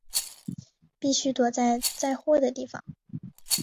必须躲在载货的地方